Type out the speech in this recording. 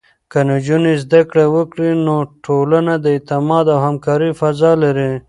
که نجونې زده کړه وکړي، نو ټولنه د اعتماد او همکارۍ فضا لري.